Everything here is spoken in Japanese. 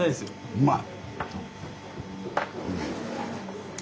うまい！